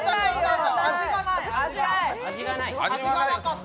味なかった。